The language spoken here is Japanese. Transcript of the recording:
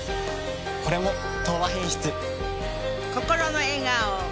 これも「東和品質」。